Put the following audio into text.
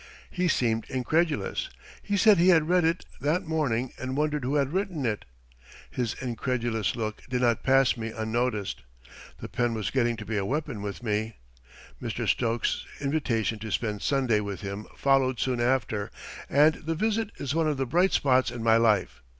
He seemed incredulous. He said he had read it that morning and wondered who had written it. His incredulous look did not pass me unnoticed. The pen was getting to be a weapon with me. Mr. Stokes's invitation to spend Sunday with him followed soon after, and the visit is one of the bright spots in my life.